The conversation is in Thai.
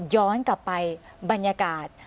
ย้อนกลับไปบรรยากาศ